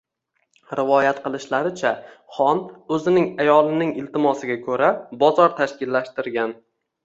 Rivoyat qilishlaricha, xon o‘zining ayolining iltimosiga ko‘ra bozor tashkillashtirgan.